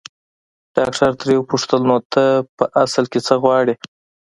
ډاکټر ترې وپوښتل نو ته په اصل کې څه غواړې.